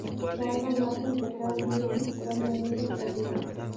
Tarda más en secar y es necesaria menos cantidad.